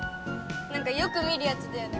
なんかよくみるやつだよね